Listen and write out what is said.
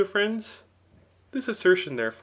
o£ friends? This asserdon tfaere^.